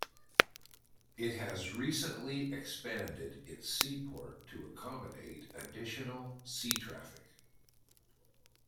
It has recently expanded its seaport to accommodate additional sea traffic.